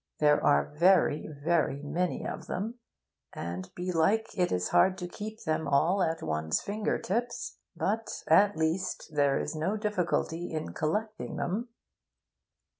There are very, very many of them, and belike it is hard to keep them all at one's finger tips. But, at least, there is no difficulty in collecting them.